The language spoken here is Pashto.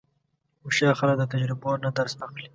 هوښیار خلک د تجربو نه درس اخلي.